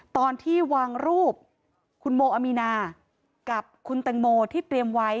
ตอนที่วางรูปคุณโมอามีนากับคุณแตงโมที่เตรียมไว้